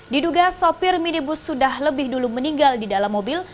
diduga sopir minibus sudah lebih dulu meninggal di dalam mobil